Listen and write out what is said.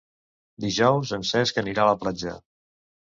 Dijous en Cesc anirà a la platja.